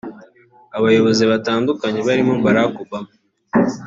Abayobozi batandukanye barimo Barack Obama